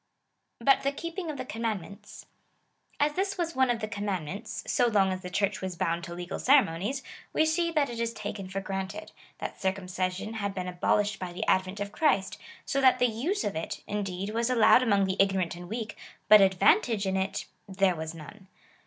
But the keeping of the commandmetits. As this was one of the commandments, so long as the Church was bound to legal ceremonies, we see that it is taken for granted, that circumcision had been abolished by the advent of Christ, so that the tise of it, indeed, was allowed among the ignorant and weak, but advantage in it — there was none.